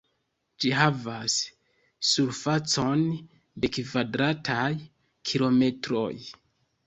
Ĝi havas surfacon de kvadrataj kilometroj.